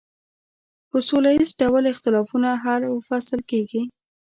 په سوله ایز ډول اختلافونه حل و فصل کیږي.